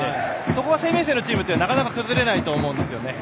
そこが生命線のチームってなかなか崩れないと思います。